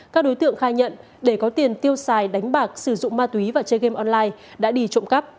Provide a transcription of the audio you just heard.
các đối tượng khai nhận để có tiền tiêu xài đánh bạc sử dụng ma túy và chơi game online đã đi trộm cắp